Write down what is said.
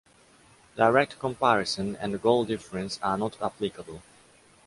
Direct comparison and goal difference are not applicable.